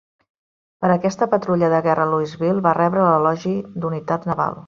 Per aquesta patrulla de guerra "Louisville" va rebre l'Elogi d'Unitat Naval.